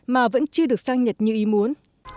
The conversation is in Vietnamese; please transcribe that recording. mà vẫn chưa được sang nhật như ý muốn